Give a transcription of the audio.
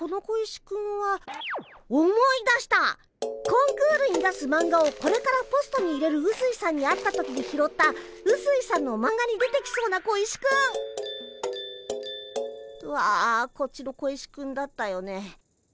コンクールに出すマンガをこれからポストに入れるうすいさんに会った時に拾ったうすいさんのマンガに出てきそうな小石くん！はこっちの小石くんだったよね。